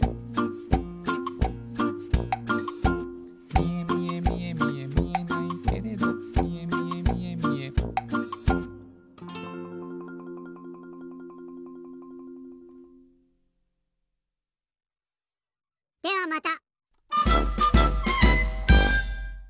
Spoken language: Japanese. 「みえみえみえみえみえないけれど」「みえみえみえみえ」ではまた。